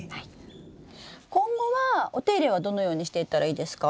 今後はお手入れはどのようにしていったらいいですか？